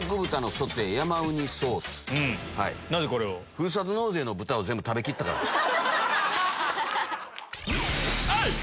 ふるさと納税の豚を全部食べきったからです。